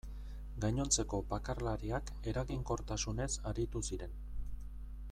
Gainontzeko bakarlariak eraginkortasunez aritu ziren.